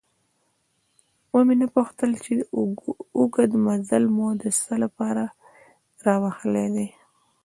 ومې نه پوښتل چې دا اوږد مزل مو د څه له پاره راوهلی دی؟